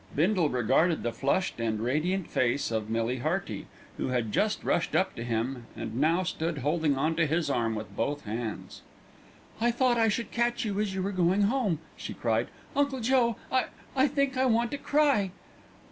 Bindle regarded the flushed and radiant face of Millie Hearty, who had just rushed up to him and now stood holding on to his arm with both hands. "I thought I should catch you as you were going home," she cried. "Uncle Joe, I I think I want to cry."